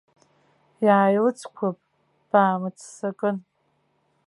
Иааилыҵқәап, баамыццакын.